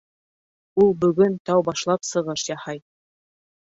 Ул бөгөн тәү башлап сығыш яһай